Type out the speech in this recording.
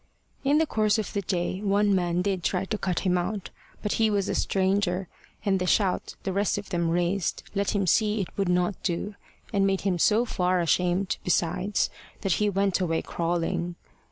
In the course of the day one man did try to cut him out, but he was a stranger; and the shout the rest of them raised let him see it would not do, and made him so far ashamed besides, that he went away crawling.